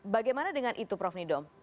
bagaimana dengan itu prof nidom